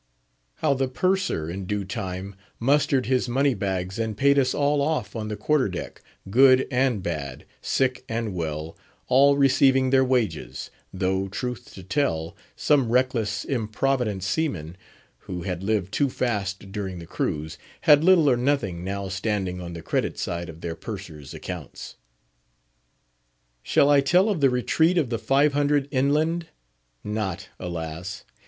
_ How the Purser in due time mustered his money bags, and paid us all off on the quarter deck—good and bad, sick and well, all receiving their wages; though, truth to tell, some reckless, improvident seamen, who had lived too fast during the cruise, had little or nothing now standing on the credit side of their Purser's accounts? Shall I tell of the Retreat of the Five Hundred inland; not, alas!